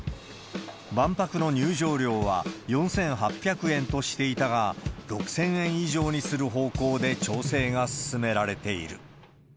万博の入場料は４８００円としていたが、６０００円以上にする方向で調整が進められている。